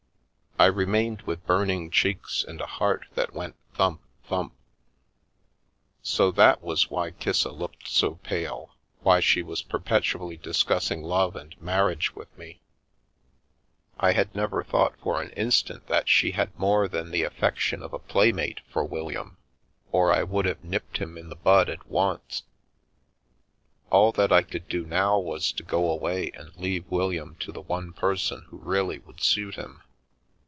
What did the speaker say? I remained with burning cheeks and a heart that went thump thump. So that was why Kissa looked so pale, why she was perpetually discussing love and marriage with me! I had never thought for 185 The Milky Way an instant that she had more than the affection of a play mate for William, or I would have nipped him in the bud at once. All that I could do now was to go away and leave William to the one person who really would suit him.